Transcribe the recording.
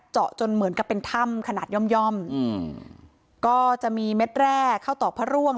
เจาะจนเหมือนกับเป็นถ้ำขนาดย่อมก็จะมีเม็ดแรกเข้าต่อพระร่วง